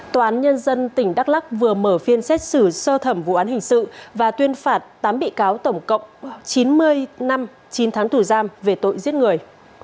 tòa án nhân dân tỉnh đắk lắc vừa mở phiên xét xử sơ thẩm vụ án hình sự và tuyên phạt tám bị cáo tổng cộng chín mươi năm chín tháng tù giam về tội giết người